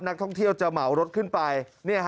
นักท่องเที่ยวจะเหมารถขึ้นไป